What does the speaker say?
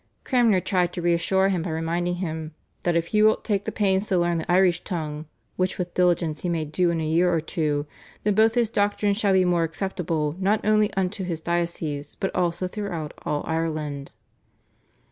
Cranmer tried to re assure him by reminding him "that if he wilt take the pains to learn the Irish tongue (which with diligence he may do in a year or two) then both his doctrine shall be more acceptable not only unto his diocese, but also throughout all Ireland."